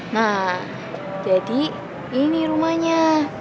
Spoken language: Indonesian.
nah jadi ini rumahnya